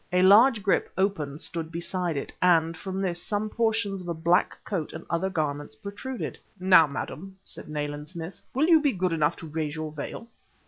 A large grip, open, stood beside it, and from this some portions of a black coat and other garments protruded. "Now, madame," said Nayland Smith, "will you be good enough to raise your veil?"